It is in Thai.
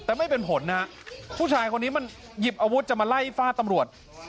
แต่ไม่เป็นผลนะฮะผู้ชายคนนี้มันหยิบอาวุธจะมาไล่ฟาดตำรวจ